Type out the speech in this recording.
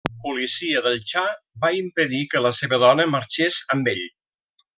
La policia del xa va impedir que la seva dona marxés amb ell.